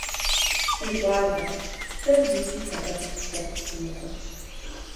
Си щӏалэ, сэ зыкӏи сэбэп сыпхуэхъуфынукъым.